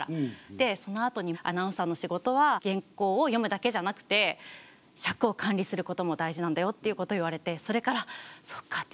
でそのあとに「アナウンサーの仕事は原稿を読むだけじゃなくて尺を管理することも大事なんだよ」ということを言われてそれからそうかと。